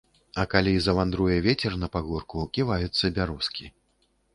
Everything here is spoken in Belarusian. А калі завандруе вецер на пагорку, ківаюцца бярозкі.